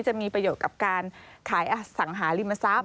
จะมีประโยชน์กับการขายอสังหาริมทรัพย